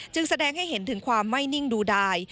แสดงให้เห็นถึงความไม่นิ่งดูดาย